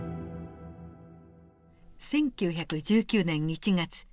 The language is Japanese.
１９１９年１月。